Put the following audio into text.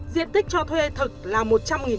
diện tích cho thuê thực là một trăm linh m